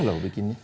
mudah loh bikinnya